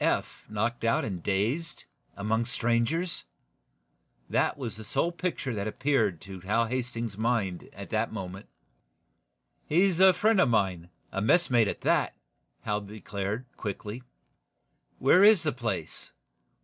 Eph knocked out and dazed among strangers! That was the sole picture that appeared to Hal Hastings's mind at that moment. "He's a friend of mine messmate, at that," Hal declared, quickly. "Where is the place?